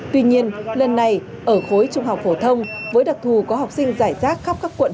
tuy nhiên lần này ở khối trung học phổ thông với đặc thù có học sinh giải rác khắp các quận